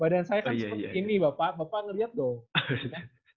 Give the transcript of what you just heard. badan saya kan seperti ini bapak bapak ngeliat dong